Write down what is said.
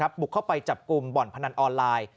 บุกเข้าไปจับกลุ่มบ่อนพนันออนไลน์